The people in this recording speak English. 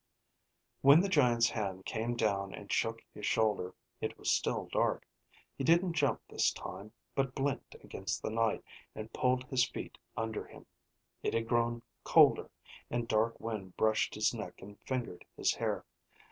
When the giant's hand came down and shook his shoulder, it was still dark. He didn't jump this time but blinked against the night and pulled his feet under him. It had grown colder, and dark wind brushed his neck and fingered his hair.